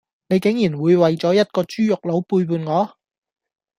你竟然會為咗一個豬肉佬背叛我